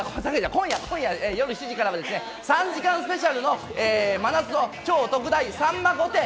今夜、夜７時からは３時間スペシャルの真夏の超特大『さんま御殿！！』。